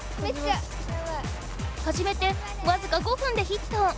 はじめてわずか５分でヒット！